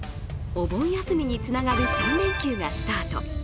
お盆休みにつながる３連休がスタート。